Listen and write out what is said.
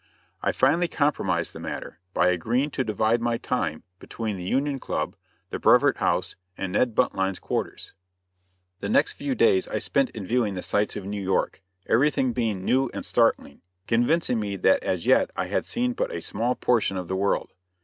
I finally compromised the matter by agreeing to divide my time between the Union Club, the Brevoort House, and Ned Buntline's quarters. The next few days I spent in viewing the sights of New York, everything being new and startling, convincing me that as yet I had seen but a small portion of the world.